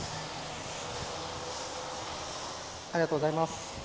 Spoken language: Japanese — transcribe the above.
ありがとうございます。